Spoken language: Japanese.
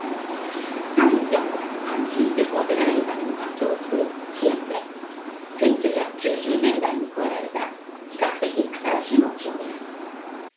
３４は安心して育てられるための環境を作る支援で１９９０年代に加えられた比較的新しい目標です。